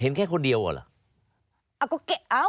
เห็นแค่คนเดียวเหรอ